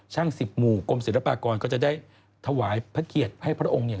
สิบหมู่กรมศิลปากรก็จะได้ถวายพระเกียรติให้พระองค์เนี่ย